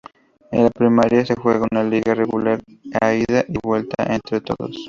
En la primera, se juega una liga regular a ida y vuelta entre todos.